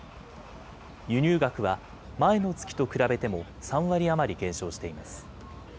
輸入額は前の月と比べても３割余り減少しています。